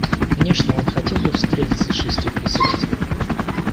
Конечно, он хотел бы встретиться с шестью председателями.